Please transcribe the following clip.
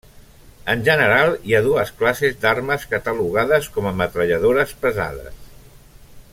En general hi ha dues classes d'armes catalogades com a metralladores pesades.